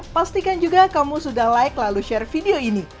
pastikan juga kamu sudah like lalu share video ini